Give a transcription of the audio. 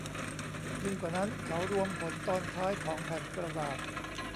ยิ่งกว่านั้น เขารวมผลตอนท้ายของแผ่นกระดาษ